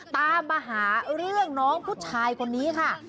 ตามมาหาเรื่องน้องผู้ชายคนนี้ค่ะ